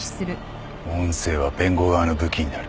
音声は弁護側の武器になる。